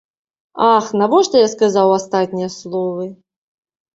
Ах, навошта я сказаў астатнія словы!